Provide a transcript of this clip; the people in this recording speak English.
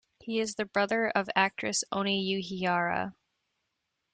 He is the brother of actress Ony Uhiara.